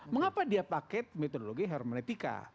mengapa dia pakai metodologi hermenetika